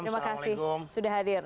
terima kasih sudah hadir